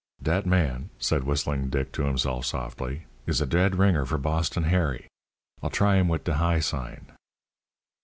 "Dat man," said Whistling Dick to himself softly, "is a dead ringer for Boston Harry. I'll try him wit de high sign."